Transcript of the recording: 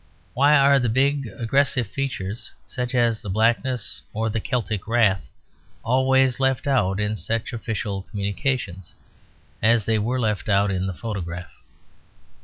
Why are the big aggressive features, such as blackness or the Celtic wrath, always left out in such official communications, as they were left out in the photograph?